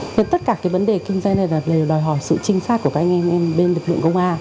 tất cả vấn đề kinh doanh này là đòi hỏi sự trinh sát của các anh em bên lực lượng công an